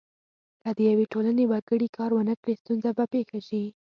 که د یوې ټولنې وګړي کار ونه کړي ستونزه به پیښه شي.